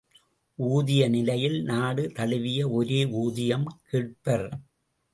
ஊதிய நிலையில் நாடு தழுவிய ஒரே ஊதியம் கேட்பர்!